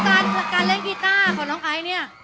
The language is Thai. การเล่นกีต้าของน้องไอซ์เนี่ย